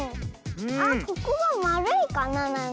あっここはまるいかななんか。